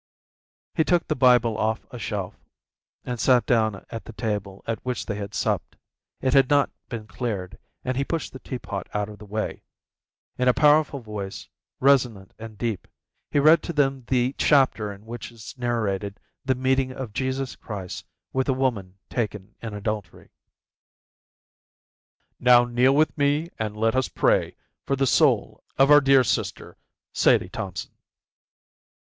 He took the Bible off a shelf, and sat down at the table at which they had supped. It had not been cleared, and he pushed the tea pot out of the way. In a powerful voice, resonant and deep, he read to them the chapter in which is narrated the meeting of Jesus Christ with the woman taken in adultery. "Now kneel with me and let us pray for the soul of our dear sister, Sadie Thompson."